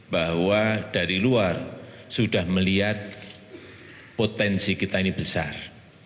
bahwa dari luar sudah melihat potensi kita ini besar